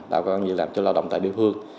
tạo được việc làm cho lao động tại địa phương